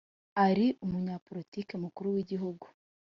ari umunyapolitiki mukuru w Igihugu